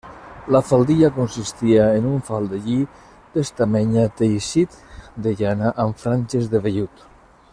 La faldilla consistia en un faldellí d'estamenya teixit de llana amb franges de vellut.